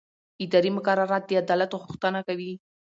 اداري مقررات د عدالت غوښتنه کوي.